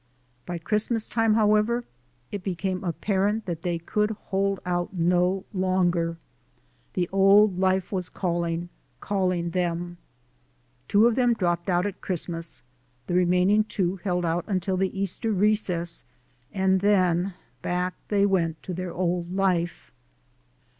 By Christmas time, however, it became apparent that they could STILL MOEE OBSTACLES 253 hold out no longer. The old life was calling, calling them. Two of them dropped out at Christmas, the remaining two held out until the Easter recess and then back they went to their old life.